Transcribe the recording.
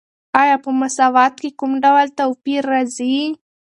آیا په مساوات کې کوم ډول توپیر راځي؟